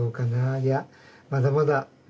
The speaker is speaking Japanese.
いやまだまだ。